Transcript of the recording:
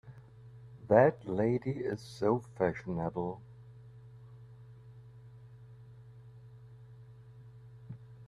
That lady is so fashionable!